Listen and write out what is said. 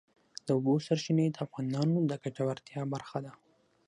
د اوبو سرچینې د افغانانو د ګټورتیا برخه ده.